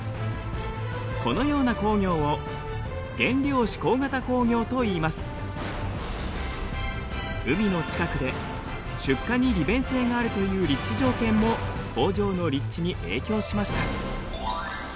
このような工業を海の近くで出荷に利便性があるという立地条件も工場の立地に影響しました。